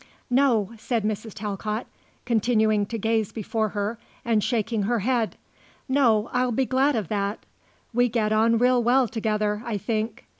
"No," said Mrs. Talcott, continuing to gaze before her, and shaking her head. "No, I'll be glad of that. We get on real well together, I think."